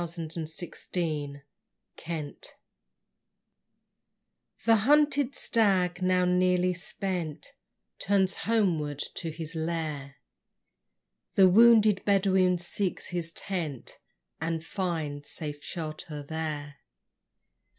THE PASTURE BARS The hunted stag, now nearly spent, Turns homeward to his lair: The wounded Bedouin seeks his tent And finds safe shelter there.